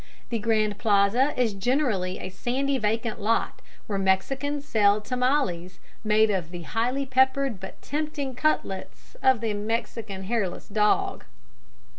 The Grand Plaza is generally a sandy vacant lot, where Mexicans sell tamales made of the highly peppered but tempting cutlets of the Mexican hairless dog.